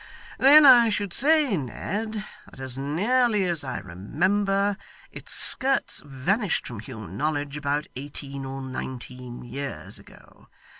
Then I should say, Ned, that as nearly as I remember, its skirts vanished from human knowledge, about eighteen or nineteen years ago.